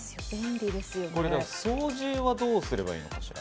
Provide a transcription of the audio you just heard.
掃除はどうすればいいのかしら。